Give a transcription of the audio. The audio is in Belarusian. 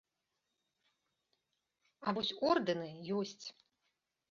А вось ордэны ёсць.